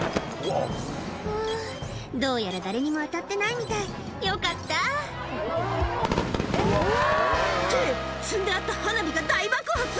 あぁどうやら誰にも当たってないみたいよかったって積んであった花火が大爆発！